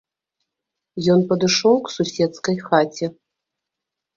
Ён падышоў к суседскай хаце.